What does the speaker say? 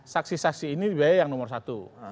saksi saksi ini dibiayai yang nomor satu